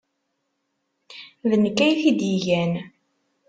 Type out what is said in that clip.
D nekk ay t-id-igan.